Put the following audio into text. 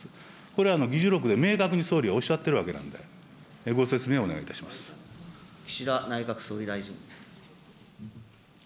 これは議事録で明確に総理おっしゃってるわけなんで、ご説明をお岸田内閣総理大臣。